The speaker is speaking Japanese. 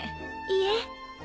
いいえ。